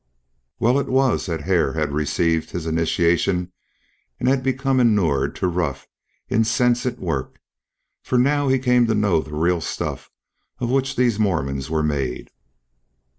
Well it was that Hare had received his initiation and had become inured to rough, incessant work, for now he came to know the real stuff of which these Mormons were made.